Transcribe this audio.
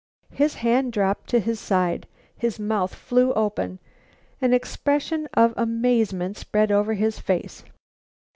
His hand dropped to his side; his mouth flew open. An expression of amazement spread over his face.